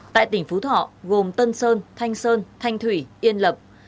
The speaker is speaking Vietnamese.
tại tỉnh phú thọ gồm tân sơn thanh sơn thanh thủy yên lập